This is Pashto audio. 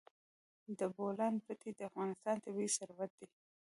د بولان پټي د افغانستان طبعي ثروت دی.